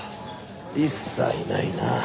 一切ないな。